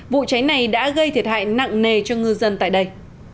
vụ cháy này đã gây thiệt hại nặng nề cho ngư dân tại đây